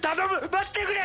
待ってくれ！